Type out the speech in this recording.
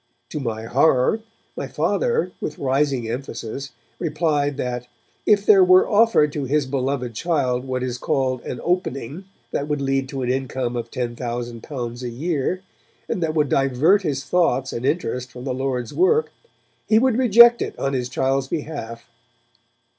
To my horror, my Father, with rising emphasis, replied that 'if there were offered to his beloved child what is called "an opening" that would lead to an income of L10,000 a year, and that would divert his thoughts and interest from the Lord's work he would reject it on his child's behalf.'